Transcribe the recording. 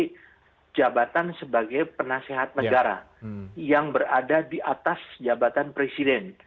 jadi jabatan sebagai penasehat negara yang berada di atas jabatan presiden